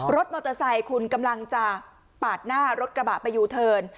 รถมอเตอร์ไซค์คุณกำลังจะปาดหน้ารถกระบะไปยูเทิร์น